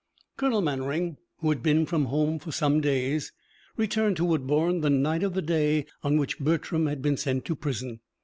Colonel Mannering, who had been from home for some days, returned to Woodbourne the night of the day on which Bertram had been sent to prison.